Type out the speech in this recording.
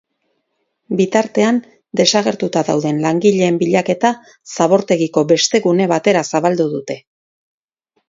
Bitartean, desagertuta dauden langileen bilaketa zabortegiko beste gune batera zabaldu dute.